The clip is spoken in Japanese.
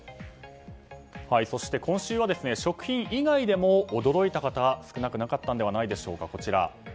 そして今週は食品以外でも驚いた方も少なくなかったのではないでしょうか。